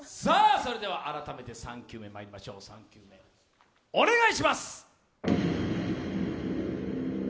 それでは改めてまいりましょう、３球目、お願いします！